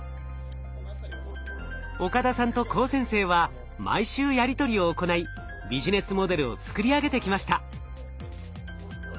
岡田さんと高専生は毎週やり取りを行いビジネスモデルを作り上げてきました。